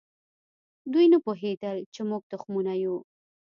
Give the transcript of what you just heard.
دوی نه پوهېدل چې موږ تخمونه یو.